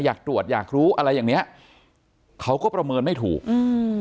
อยากตรวจอยากรู้อะไรอย่างเนี้ยเขาก็ประเมินไม่ถูกอืม